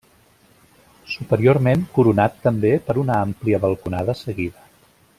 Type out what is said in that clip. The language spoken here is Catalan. Superiorment coronat també per una àmplia balconada seguida.